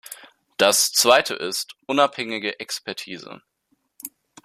Das Zweite ist "unabhängige Expertise".